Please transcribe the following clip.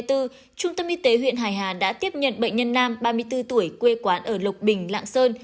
trung tâm y tế huyện hải hà đã tiếp nhận bệnh nhân nam ba mươi bốn tuổi quê quán ở lộc bình lạng sơn